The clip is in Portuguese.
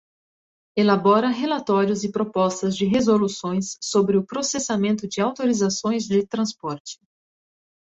Elabora relatórios e propostas de resoluções sobre o processamento de autorizações de transporte.